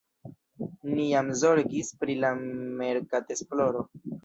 Ni jam zorgis pri la merkatesploro.